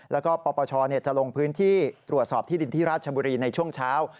แล้วก็ปปชจะลงพื้นที่ตรวจสอบที่ดินที่ราชบุรีในช่วงเช้า